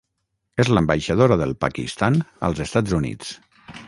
És l'ambaixadora del Pakistan als Estats Units.